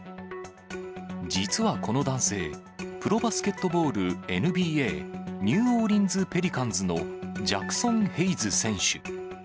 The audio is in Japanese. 実はこの男性、プロバスケットボールＮＢＡ・ニューオーリンズ・ペリカンズのジャクソン・ヘイズ選手。